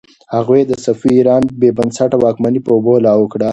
هغوی د صفوي ایران بې بنسټه واکمني په اوبو لاهو کړه.